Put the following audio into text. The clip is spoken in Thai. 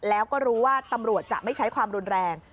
แล้วก็รู้ว่าตำรวจจะไม่ใช้ความรุนแรง